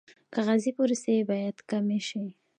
کاغذي پروسې باید کمې شي